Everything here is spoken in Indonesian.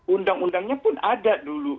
undang undangnya pun ada dulu